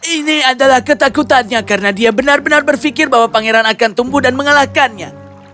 ini adalah ketakutannya karena dia benar benar berpikir bahwa pangeran akan tumbuh dan mengalahkannya